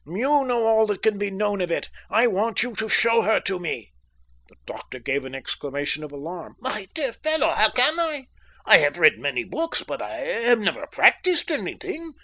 You know all that can be known of it. I want you to show her to me." The doctor gave an exclamation of alarm. "My dear fellow, how can I? I have read many books, but I have never practised anything.